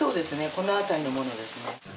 この辺りのものです。